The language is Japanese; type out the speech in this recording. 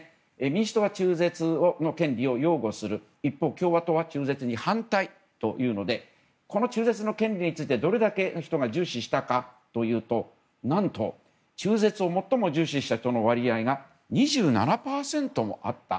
民主党が中絶の権利を擁護する一方、共和党は中絶に反対というのでこの中絶の権利についてどれだけの人が重視したかというと何と、中絶を最も重視した人の割合が２７％もあった。